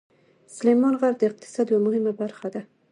سلیمان غر د اقتصاد یوه مهمه برخه ده.